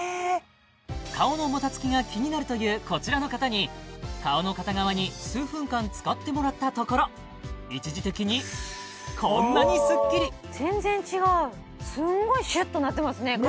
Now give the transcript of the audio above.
顔のもたつきが気になるというこちらの方に顔の片側に数分間使ってもらったところ一時的にこんなにスッキリ全然違うすっごいシュッとなってますね片